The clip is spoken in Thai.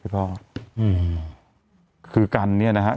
พี่พ่ออืมคือกันนี่นะฮะ